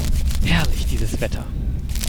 Herrlich, dieses Wetter!